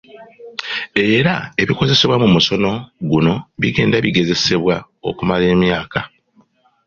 Era ebikozesebwa mu musono guno bigenda bigezesebwa okumala emyaka.